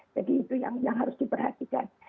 jadi itu yang harus diperhatikan